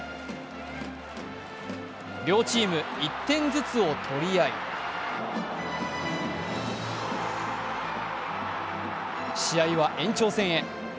両チーム１点ずつを取り合い試合は延長戦へ。